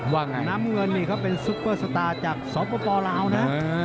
ว่าน้ำเงินนี่เขาเป็นซุปเปอร์สตาร์จากสปลาวนะ